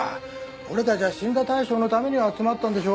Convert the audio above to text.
俺たちは死んだ大将のために集まったんでしょ。